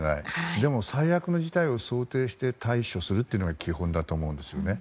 でも、最悪の事態を想定して対処するというのが基本だと思うんですよね。